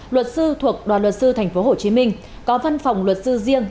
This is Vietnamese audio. luật sư thuộc đoàn luật sư tp hcm có văn phòng luật sư riêng